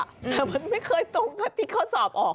แต่มันไม่เคยตรงกับที่เขาสอบออก